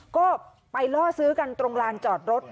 ก็ไปล่อซื้อกันตรงลานจอดรถ